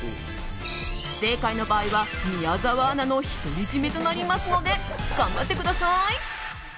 不正解の場合は、宮澤アナの独り占めになりますので頑張ってください！